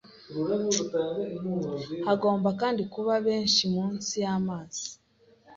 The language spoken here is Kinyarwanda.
Hagomba kandi kuba benshi munsi y'amazi